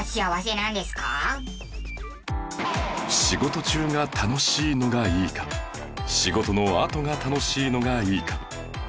仕事中が楽しいのがいいか仕事のあとが楽しいのがいいか